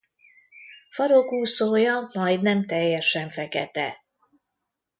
Farokúszója majdnem teljesen fekete.